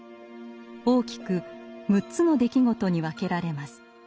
大きく６つの出来事に分けられます。